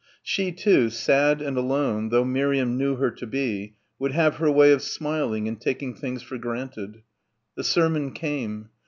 She, too, sad and alone though Miriam knew her to be, would have her way of smiling and taking things for granted. The sermon came.